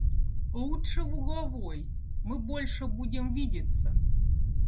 Лучше в угловой, мы больше будем видеться.